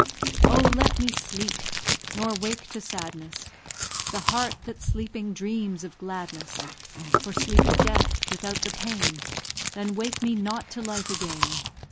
Oh, let me sleep! nor wake to sadness The heart that, sleeping, dreams of gladness; For sleep is death, without the pain Then wake me not to life again.